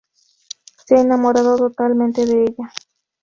Se ha enamorado totalmente de ella.